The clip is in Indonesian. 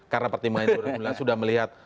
karena pertimbangan jurul mulia sudah melihat